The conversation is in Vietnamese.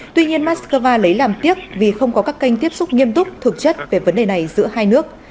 tuy nhiên moscow lấy làm tiếc vì không có các kênh tiếp xúc nghiêm túc thực chất về vấn đề này giữa hai nước